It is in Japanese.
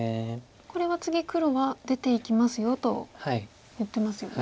これは次黒は出ていきますよと言ってますよね。